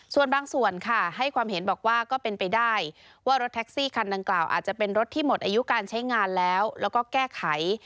ส่วนบางส่วนค่ะให้ความเห็นบอกว่าก็เป็นไปได้ว่ารถแท็กซี่คันดังกล่าวอาจจะเป็นรถที่หมดอายุการใช้งานแล้วแล้วก็แก้ไข